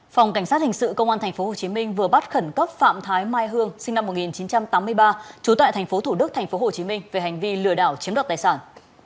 phòng cảnh sát hình sự công an tp hcm vừa bắt khẩn cấp phạm thái mai hương sinh năm một nghìn chín trăm tám mươi ba trú tại tp thủ đức tp hcm về hành vi lừa đảo chiếm đoạt tài sản